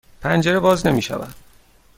پنجره باز نمی شود.